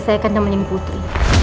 saya akan nemenin putri